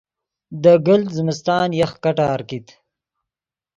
دے گلت زمستان یخ کٹار کیت